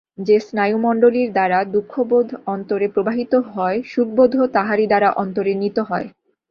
যে স্নায়ুমণ্ডলীর দ্বারা দুঃখবোধ অন্তরে প্রবাহিত হয়, সুখবোধও তাহারই দ্বারা অন্তরে নীত হয়।